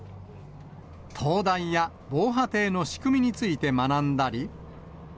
灯台や防波堤の仕組みについて学んだり。